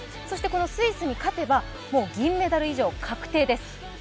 そしてスイスに勝てば銀メダル以上が確定です。